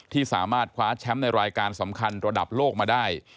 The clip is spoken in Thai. ที่สามารถคว้าแชมป์ในรายการสำคัญระดับโลกมาได้